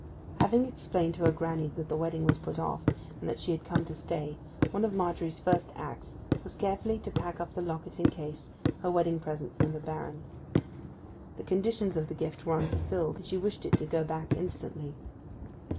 Having explained to her granny that the wedding was put off; and that she had come to stay, one of Margery's first acts was carefully to pack up the locket and case, her wedding present from the Baron. The conditions of the gift were unfulfilled, and she wished it to go back instantly.